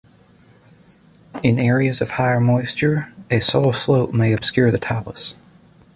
In areas of higher moisture, a soil slope may obscure the talus.